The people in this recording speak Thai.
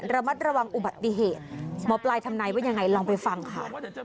ระมัดระวังอุบัติเหตุหมอปลายทำนายว่ายังไงลองไปฟังค่ะ